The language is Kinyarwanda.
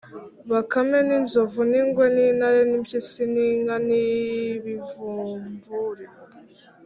bakame n’inzovu n’ingwe n’intare n’impyisi n’inka n’ibivumvuli